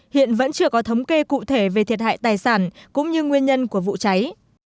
hiện vẫn chưa có thống kê cụ thể về thiệt hại tài sản cũng như nguyên nhân của vụ cháy